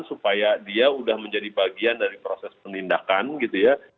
supaya dia udah menjadi bagian dari proses penindakan gitu ya